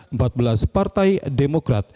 empat belas partai demokrat